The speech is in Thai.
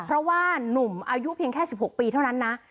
เพราะว่านุ่มอายุเพียงแค่๑๖ปีเท่านั้นนะ